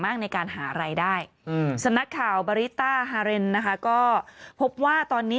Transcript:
ในการหารายได้สำนักข่าวบาริต้าฮาเรนนะคะก็พบว่าตอนนี้